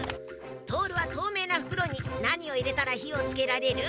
トオルはとうめいなふくろになにをいれたら火をつけられる？